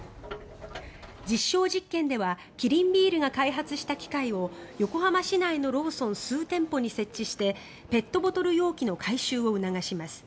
実証実験ではキリンビールが開発した機械を横浜市内のローソン数店舗に設置してペットボトル容器の回収を促します。